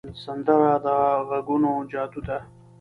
سندره د غږونو جادو ده